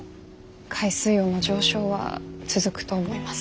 海水温の上昇は続くと思います。